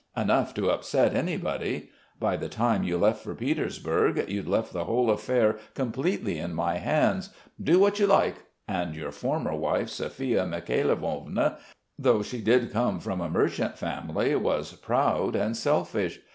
Enough to upset anybody! By the time you left for Petersburg you'd left the whole affair completely in my hands. 'Do what you like!' And your former wife, Sophia Mikhailovna, though she did come from a merchant family, was proud and selfish.